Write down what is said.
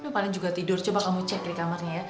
dia paling juga tidur coba kamu cek di kamarnya ya